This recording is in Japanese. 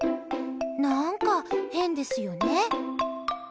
何か変ですよね？